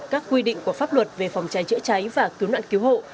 các quy định của pháp luật về phòng cháy chữa cháy và cứu nạn cứu hộ